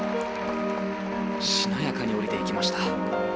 しなやかに降りていきました。